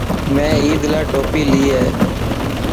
مين عيد لاءِ ٽوپي لي هان.